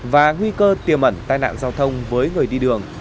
và nguy cơ tiềm ẩn tai nạn giao thông với người đi đường